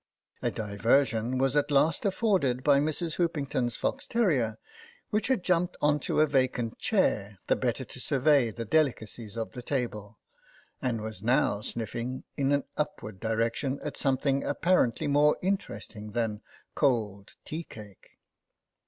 A diversion was t last afforded by Mrs. Hoopington's fox rrier, which had jumped on to a vacant chair, the better to survey the delicacies of the table, and was now sniffing in an upward direction at something apparently more in teresting than cold tea cake.